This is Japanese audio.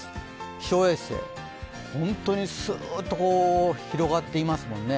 気象衛星、本当にスッと広がっていますもんね。